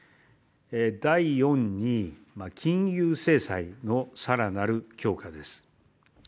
第４に、金融制裁のさらなる強化です。